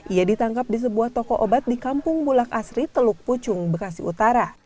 ia ditangkap di sebuah toko obat di kampung bulak asri teluk pucung bekasi utara